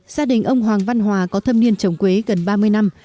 gia đình ông hoàng văn hòa có thâm niên trồng quế gần ba mươi năm